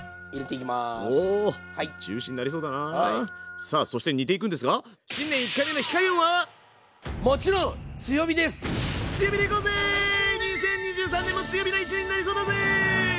さあそして煮ていくんですが２０２３年も強火の一年になりそうだぜ！